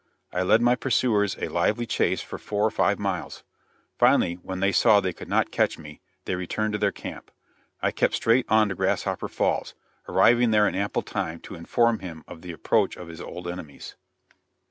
I led my pursuers a lively chase for four or five miles; finally, when they saw they could not catch me, they returned to their camp. I kept straight on to Grasshopper Falls, arriving there in ample time to inform him of the approach of his old enemies.